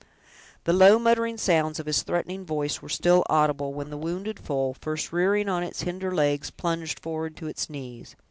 The low, muttering sounds of his threatening voice were still audible, when the wounded foal, first rearing on its hinder legs, plunged forward to its knees.